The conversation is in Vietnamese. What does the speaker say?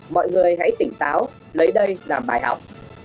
mọi người hãy tỉnh táo lấy đây làm bài học